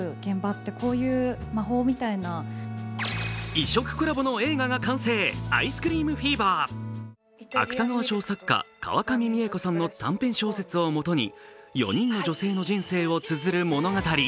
異色コラボの映画が完成、「アイスクリームフィーバー」芥川賞作家・川上未映子さんの短編小説をもとに４人の女性の人生をつづる物語。